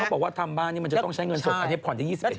บอกว่าทำบ้านนี้มันจะต้องใช้เงินสดอันนี้ผ่อนได้๒๑